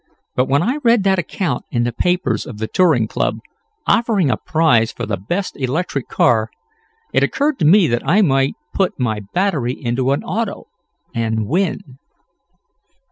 But when I read that account in the papers of the Touring Club, offering a prize for the best electric car, it occurred to me that I might put my battery into an auto, and win."